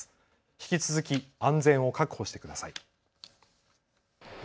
引き続き安全を確保してください。